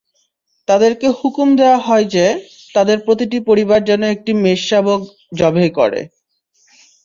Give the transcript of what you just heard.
তাদেরকে হুকুম দেওয়া হয় যে, তাদের প্রতিটি পরিবার যেন একটি মেষশাবক যবেহ করে।